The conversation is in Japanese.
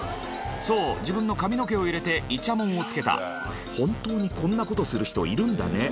そう自分の髪の毛を入れていちゃもんをつけた本当にこんなことする人いるんだね